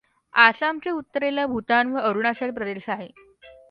अासामच्या उत्तरेला भूतान व अरूणाचल प्रदेश आहे.